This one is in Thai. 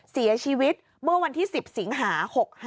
เสียชีวิตเมื่อวันที่๑๐สิงหา๖๕